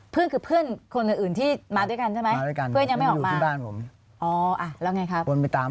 เพื่อนคือเพื่อนคนอื่นที่มาด้วยกันใช่ไหม